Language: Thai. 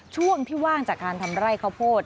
ช่วงที่ว่างจากการทำไร่ข้าวโพด